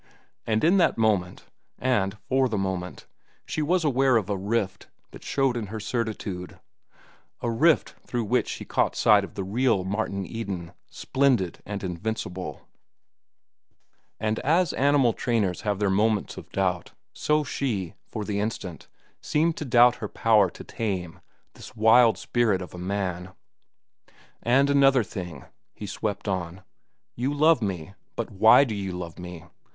And in that moment, and for the moment, she was aware of a rift that showed in her certitude—a rift through which she caught sight of the real Martin Eden, splendid and invincible; and as animal trainers have their moments of doubt, so she, for the instant, seemed to doubt her power to tame this wild spirit of a man. "And another thing," he swept on. "You love me. But why do you love me?